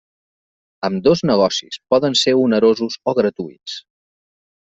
Ambdós negocis poden ser onerosos o gratuïts.